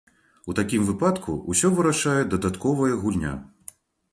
У такім выпадку ўсё вырашае дадатковая гульня.